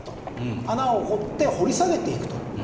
穴を掘って掘り下げていくと。